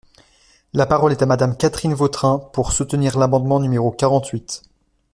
La parole est à Madame Catherine Vautrin, pour soutenir l’amendement numéro quarante-huit.